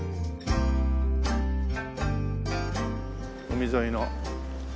海沿いの。